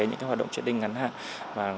những cái hoạt động triển đinh ngắn hạn